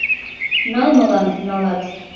Налмылан налат